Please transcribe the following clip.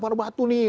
lagi lempar batu nih